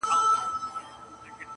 اوس چي راسي خو په څنګ را نه تېرېږي,